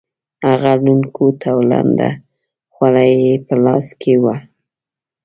هغه لوند کوټ او لنده خولۍ یې په لاس کې وه.